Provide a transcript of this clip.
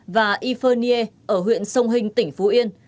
và y phơ nghê ở huyện sông hinh tỉnh phú yên